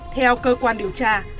theo cơ quan điều tra